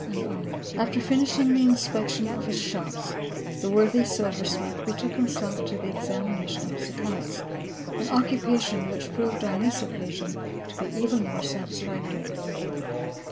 357 After finishing the inspection of his shops, the worthy silver smith betook himself to the examination of his accounts, an occupation which proved on this occasion to be even more satisfactory.